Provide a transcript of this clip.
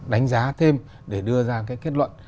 đánh giá thêm để đưa ra kết luận